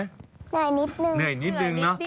เหนื่อยนิดหนึ่งแล้ว